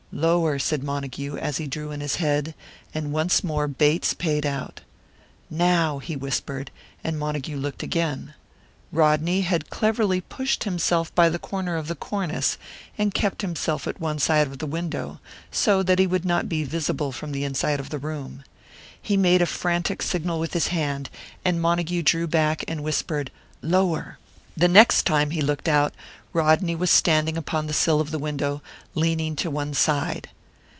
"Lower," said Montague, as he drew in his head, and once more Bates paid out. "Now," he whispered, and Montague looked again. Rodney had cleverly pushed himself by the corner of the cornice, and kept himself at one side of the window, so that he would not be visible from the inside of the room. He made a frantic signal with his hand, and Montague drew back and whispered, "Lower!" The next time he looked out, Rodney was standing upon the sill of the window, leaning to one side.